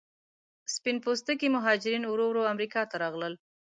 سپین پوستکي مهاجرین ورو ورو امریکا ته راغلل.